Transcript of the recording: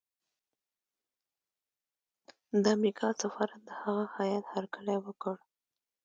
د امریکا سفارت د هغه هیات هرکلی وکړ.